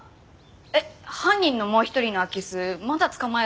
えっ犯人のもう一人の空き巣まだ捕まえられんの？